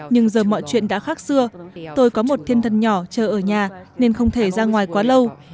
nhưng giờ mọi chuyện đã khác xưa tôi có một thiên thần nhỏ chờ ở nhà nên không thể ra ngoài quá lâu